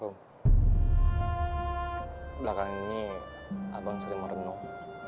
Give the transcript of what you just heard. rom belakang ini abang sering merenung